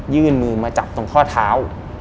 ยื่นมือมาจับตรงข้อเท้า